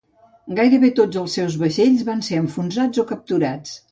Gairebé tots els seus vaixells van ser enfonsats o capturats.